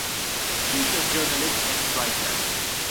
She’s a journalist and writer.